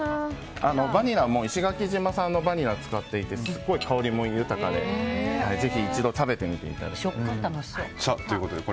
バニラも石垣島産のバニラを使っていてすごい香りも豊かで一度食べてみていただきたいです。